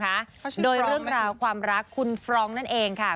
เขาชื่อฟรองโดยเรื่องราวความรักคุณฟรองนั่นเองค่ะ